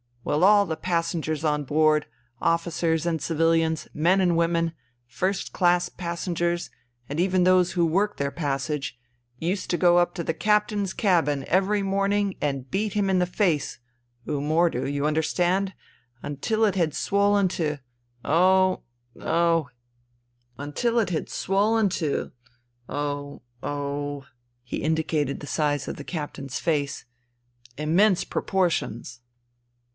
Well, all the passengers on board, officers and civilians, men and women, first class passengers and even those who worked their passage, used to go up to the captain's cabin .very morning and beat him in the face (v mordoo, you understand?) imtil it had swollen to, oh — oh " (he indicated the size of the captain's face) —" immense proportions."